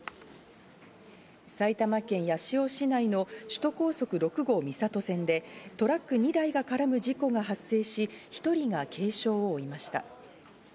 埼玉県八潮市内の首都高速６号三郷線で、トラック２台が絡む事故が発生し、１人が軽傷を負いました。